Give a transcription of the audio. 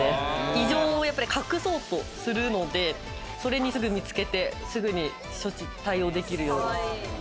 異常を隠そうとするのでそれにすぐ見つけてすぐに処置・対応できるように。